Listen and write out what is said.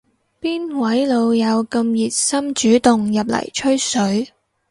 邊位老友咁熱心主動入嚟吹水